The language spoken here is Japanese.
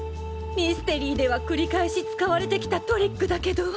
ミステリーではくり返し使われてきたトリックだけど。